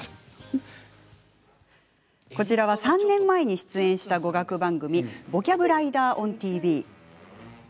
こちら３年前に出演した語学番組「ボキャブライダーｏｎＴＶ」